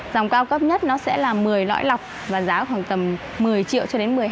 dòng cao cấp nhất là một mươi loại lọc giá khoảng tầm một mươi một mươi hai triệu